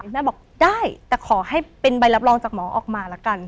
แม่บอกได้แต่ขอให้เป็นใบรับรองจากหมอออกมาแล้วกัน